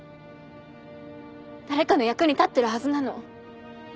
誰かの役に立ってるはずなの。